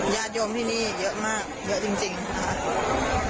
ญาติโยมที่นี่เยอะมากเยอะจริงค่ะ